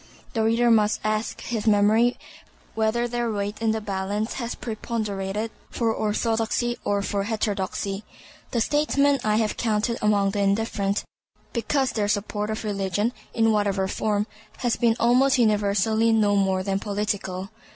The reader must ask his memory whether their weight in the balance has preponderated for orthodoxy or for heterodoxy. The statesmen I have counted among the indifferent, because their support of religion, in whatever form, has been almost universally no more than political.